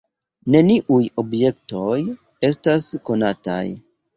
Neniuj objektoj estas konataj.